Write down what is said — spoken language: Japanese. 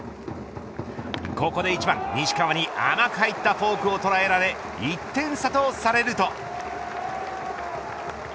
ここで、１番西川に甘く入ったフォークを捉えられ１点差とされると。